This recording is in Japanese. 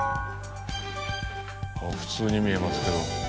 普通に見えますけど。